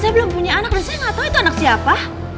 saya belum punya anak dan saya gak tau itu anak siapa